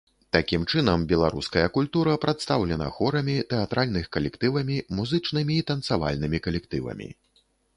Такім чынам, беларуская культура прадстаўлена хорамі, тэатральных калектывамі, музычнымі і танцавальнымі калектывамі.